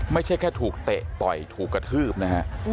ไม่ใช่แค่ถูกเตะต่อยถูกกระทืบนะฮะ